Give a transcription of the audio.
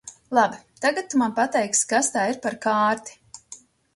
Labi, tagad tu man pateiksi, kas tā ir par kārti?